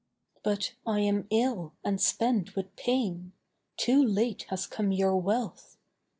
MORTAL: 'But I am ill and spent with pain; too late has come your wealth.